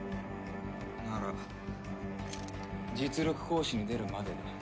なら実力行使に出るまでだ。